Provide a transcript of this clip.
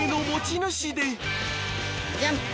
ジャンプ。